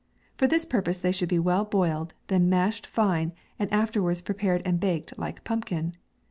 For this purpose they should be well boiled, then mashed tine, and afterwaads prepared and baked like pumpkin.